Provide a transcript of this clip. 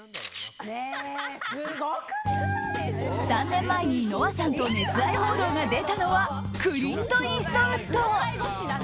３年前にノアさんと熱愛報道が出たのはクリント・イーストウッド。